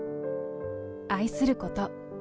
愛すること。